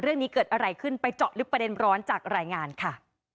เรื่องนี้เกิดอะไรขึ้นไปเจาะลึกประเด็นร้อนจากรายงานค่ะ